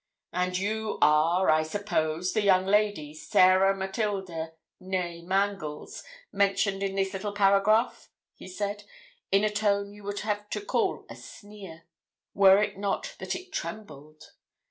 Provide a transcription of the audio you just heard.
'And you are, I suppose, the young lady, Sarah Matilda née Mangles, mentioned in this little paragraph?' he said, in a tone you would have called a sneer, were it not that it trembled.